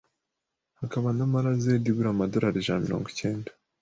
hakaba na Mara Z igura amadorari ijana na mirongo icyenda